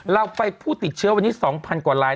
เราไปผู้ติดเชื้อวันนี้๒๐๐กว่าลาย